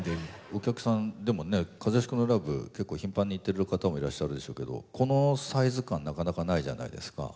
お客さんでもね和義君のライブ結構頻繁に行ってる方もいらっしゃるでしょうけどこのサイズ感なかなかないじゃないですか。